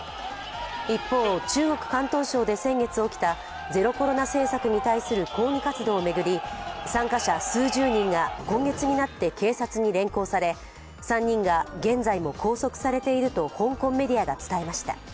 一方、中国・広東省で先月起きたゼロコロナ政策に対する抗議活動を巡り参加者数十人が今月になって警察に連行され３人が現在も拘束されていると香港メディアが伝えました。